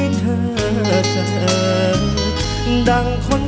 สวัสดีครับ